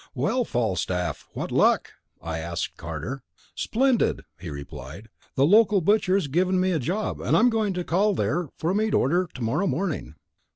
"Well, Falstaff, what luck?" I asked Carter. "Splendid!" he replied. "The local butcher has given me a job and I'm going to call there for a meat order tomorrow morning."